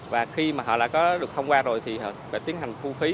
và khi mà họ đã có được thông qua rồi thì họ phải tiến hành thu phí